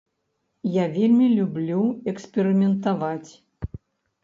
Я вельмі люблю эксперыментаваць.